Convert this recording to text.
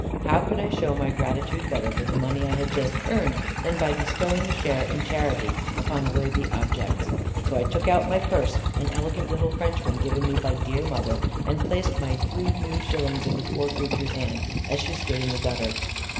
How could I show my gratitude better for the money I had just earned, than by bestowing a share in charity upon worthy objects? So I took out my purse, an elegant little French one given me by dear mother, and placed my three new shillings in the poor creature's hand, as she stood in the gutter.